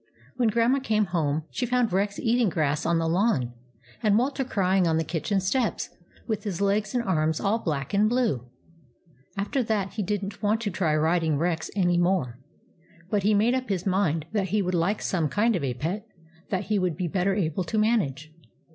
When Grandma came home, she found Rex eating grass on the lawn, and Walter crying on the kitchen steps, with his legs and arms all black and blue. After that he did n't want to try riding Rex any more; but he made up his mind that he would like some kind of a pet that he would be better able to manage.